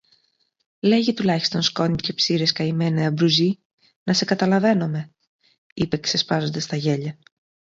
Λέγε τουλάχιστον σκόνη και ψείρες, καημένε Αμπρουζή, να σε καταλαβαίνομε! είπε ξεσπάζοντας στα γέλια.